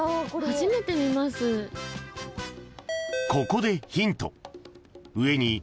［ここでヒント］